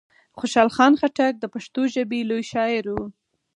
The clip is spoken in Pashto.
خوشحال خان خټک د پښتو ژبي لوی شاعر وو.